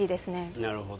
なるほど。